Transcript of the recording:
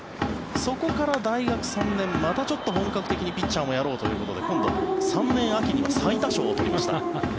そこから大学３年またちょっと本格的にピッチャーもやろうということで今度、３年秋には最多勝を取りました。